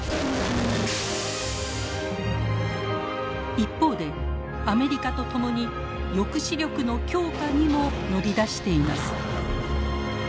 一方でアメリカと共に抑止力の強化にも乗り出しています。